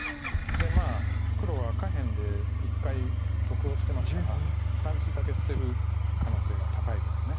黒は下辺で一回得をしてますから３子だけ捨てる可能性が高いです。